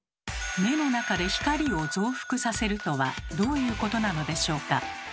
目の中で光を増幅させるとはどういうことなのでしょうか？